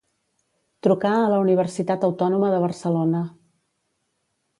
Trucar a la Universitat Autònoma de Barcelona.